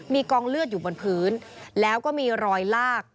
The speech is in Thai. มีกองเลือดอยู่บนพื้นแล้วก็มีรอยลาก